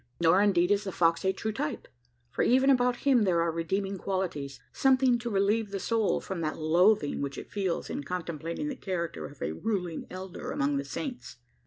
Nor, indeed, is the fox a true type: for even about him there are redeeming qualities something to relieve the soul from that loathing which it feels in contemplating the character of a "ruling elder" among the "Saints."